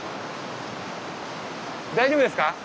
大丈夫ですか？